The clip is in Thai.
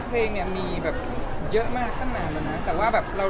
ก็มีมีบ้างแต่อาจไม่ได้เยอะมาก